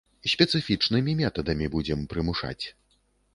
Спецыфічнымі метадамі будзем прымушаць.